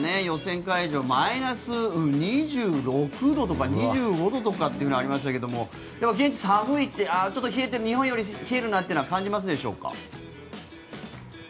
予選会場、マイナス２６度とか２５度というのがありましたが現地、寒いちょっと日本より冷えるなってのは感じますでしょうか？